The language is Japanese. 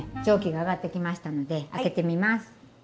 蒸気が上がってきましたので開けてみます。